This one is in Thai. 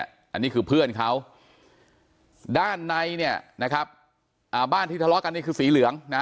อันนี้คือเพื่อนเขาด้านในเนี่ยนะครับอ่าบ้านที่ทะเลาะกันนี่คือสีเหลืองนะ